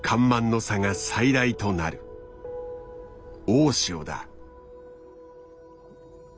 大潮だ。